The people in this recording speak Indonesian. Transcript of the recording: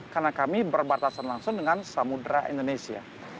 karena kami berbatasan langsung dengan samudera indonesia